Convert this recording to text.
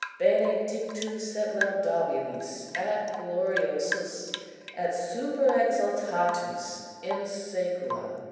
Benedictus, et laudabilis, et gloriosus, et superexaltatus in sæcula.